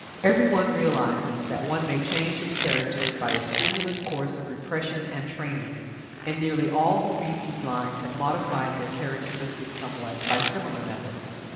Every one realizes that one may change his character by a strenuous course of repression and training, and nearly all who read these lines have modified their characteristics somewhat by similar methods.